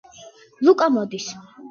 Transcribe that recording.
ლუკა მოდის